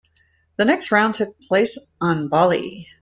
The next round took place on Bali.